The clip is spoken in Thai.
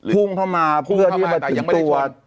พุ่งเข้ามาเพื่อที่จะถึงตัว